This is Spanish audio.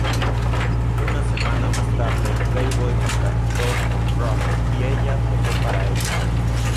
Una semana más tarde, Playboy contactó con Croft y ella posó para ellos.